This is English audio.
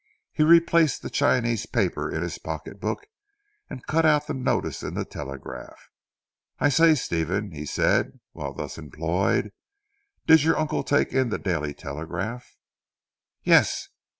He replaced the Chinese paper in his pocket book, and cut out the notice in the Telegraph. "I say Stephen," he said while thus employed, "did your uncle take in the 'Daily Telegraph?'" "Yes!